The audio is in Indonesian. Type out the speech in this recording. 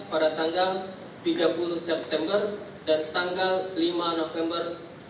pada tanggal tiga puluh september dan tanggal lima november dua ribu dua puluh